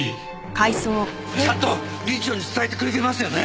ちゃんと理事長に伝えてくれてますよね？